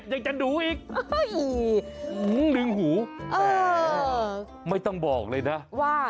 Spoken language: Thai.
ยังจะดูอีกหนึ่งหูแต่ไม่ต้องบอกเลยนะ